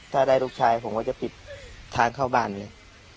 ถ้าได้ลูกชายผมก็จะปิดทางเข้าบ้านเลย